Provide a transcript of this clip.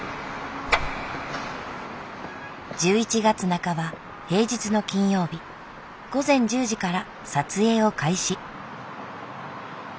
１１月半ば平日の金曜日午前１０時から撮影を開始。